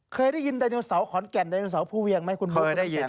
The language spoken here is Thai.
เคยได้ยินดันโนเสาร์ขอนแก่นดันโนเสาร์ผู้เวี่ยงไหมคุณผู้สุขแก่ง